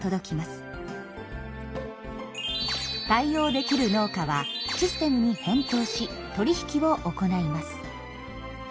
対応できる農家はシステムに返答し取り引きを行います。